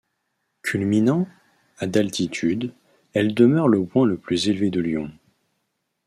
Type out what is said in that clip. Culminant à d’altitude, elle demeure le point le plus élevé de Lyon.